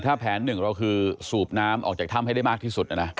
ถ้าแผนหนึ่งเราคือสูบน้ำออกจากถ้ำให้ได้มากที่สุดนะ